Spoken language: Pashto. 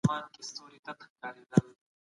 اغزي لرې کړو.